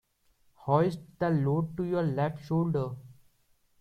Hoist the load to your left shoulder.